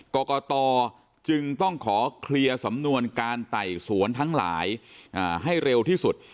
กรกตจึงต้องขอเคลียร์สำนวนการไต่สวนทั้งหลายให้เร็วที่สุด